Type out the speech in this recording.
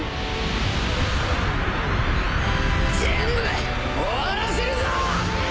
全部終わらせるぞ！